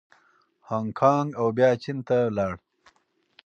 هانګکانګ او بیا چین ته لاړ.